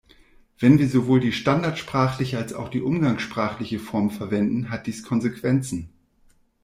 Wenn wir sowohl die standardsprachliche als auch die umgangssprachliche Form verwenden, hat dies Konsequenzen.